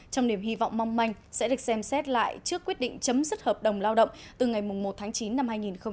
trong niềm hy vọng mong manh sẽ được xem xét lại trước quyết định chấm dứt hợp đồng lao động từ ngày một tháng chín năm hai nghìn hai mươi